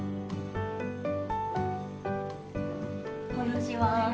こんにちは。